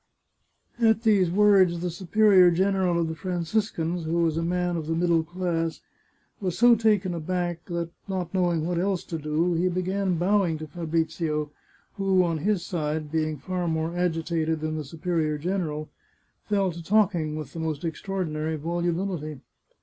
At these words the superior general of the Franciscans, who was a man of the middle class, was so taken aback, that, not knowing what else to do, he began bowing to Fabrizio^ 495 The Chartreuse of Parma who, on his side, being far more agitated than the superior general, fell to talking with the most extraordinary volubil ity.